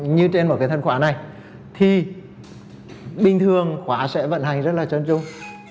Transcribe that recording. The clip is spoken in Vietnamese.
như trên một cái thân khóa này thì bình thường khóa sẽ vận hành rất là chân trung